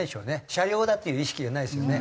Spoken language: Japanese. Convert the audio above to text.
車両だっていう意識がないですよね。